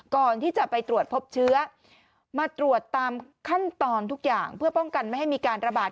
ก่อนที่จะไปตรวจพบเชื้อมาตรวจตามขั้นตอนทุกอย่างเพื่อป้องกันไม่ให้มีการระบาด